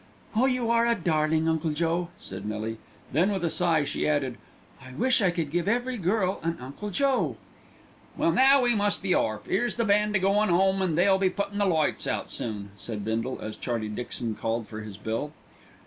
"Oh, you are a darling, Uncle Joe!" said Millie. Then with a sigh she added, "I wish I could give every girl an Uncle Joe." "Well, now we must be orf, 'ere's the band a goin' 'ome, and they'll be puttin' the lights out soon," said Bindle, as Charlie Dixon called for his bill.